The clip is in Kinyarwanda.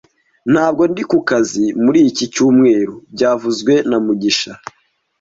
Ntabwo ndi ku kazi muri iki cyumweru byavuzwe na mugisha